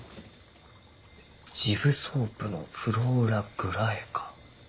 シブソープの「フローラ・グライカ」。